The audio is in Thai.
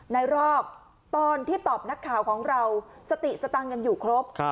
รอกตอนที่ตอบนักข่าวของเราสติสตังค์ยังอยู่ครบ